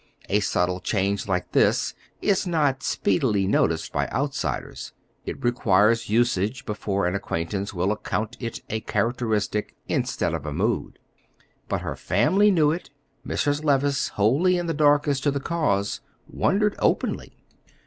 A subtile change like this is not speedily noticed by outsiders; it requires usage before an acquaintance will account it a characteristic instead of a mood. But her family knew it. Mrs. Levice, wholly in the dark as to the cause, wondered openly.